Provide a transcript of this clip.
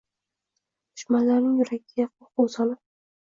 Dushmanlarning yuragiga ko’rkuv solib